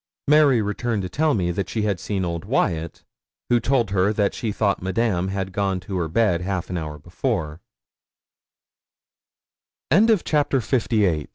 Mary returned to tell me that she had seen old Wyat, who told her that she thought Madame had gone to her bed half an hour befor